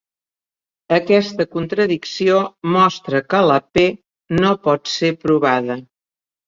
Aquesta contradicció mostra que la "p" no pot ser provada.